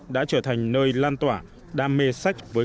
đã trở thành một loại sách đặc biệt của thư viện